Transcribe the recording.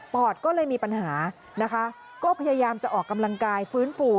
อดก็เลยมีปัญหานะคะก็พยายามจะออกกำลังกายฟื้นฟู